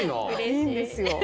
いいんですよ！